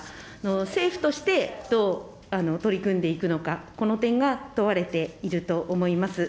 政府として、どう取り組んでいくのか、この点が問われていると思います。